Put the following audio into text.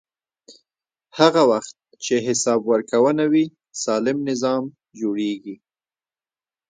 هغه وخت چې حساب ورکونه وي، سالم نظام جوړېږي.